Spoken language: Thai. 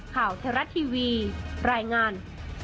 ข่าวเทศรัททีวีรายงาน